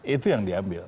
itu yang diambil